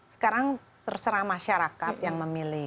sekarang terserah masyarakat yang memilih